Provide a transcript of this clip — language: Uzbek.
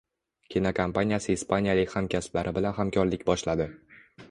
Kinokompaniyasi ispaniyalik hamkasblari bilan hamkorlik boshladi